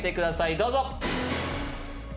どうぞ。